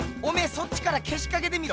そっちからけしかけてみろ。